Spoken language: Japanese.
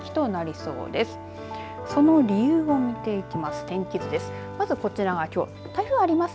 その理由を見ていきます。